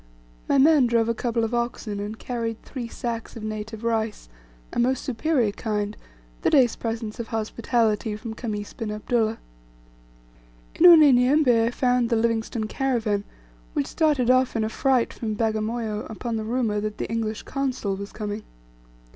My men drove a couple of oxen, and carried three sacks of native rice a most superior kind the day's presents of hospitality from Khamis bin Abdullah. In Unyanyembe I found the Livingstone caravan, which started off in a fright from Bagamoyo upon the rumour that the English Consul was coming.